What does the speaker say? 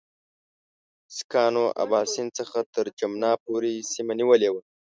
سیکهانو اباسین څخه تر جمنا پورې سیمه نیولې وه.